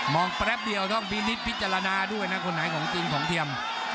งแป๊บเดียวต้องพินิษฐพิจารณาด้วยนะคนไหนของจริงของเทียม